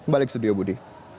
balik studio budi